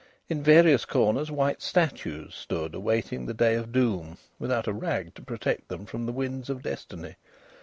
In various corners white statues stood awaiting the day of doom without a rag to protect them from the winds of destiny.